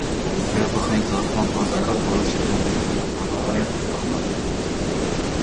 Հրաբխային ծագման պատճառով որոշ շրջաններում հողը բավականին պտղաբեր է։